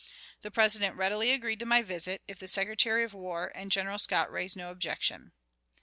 The President readily agreed to my visit, if the Secretary of War and General Scott raised no objection.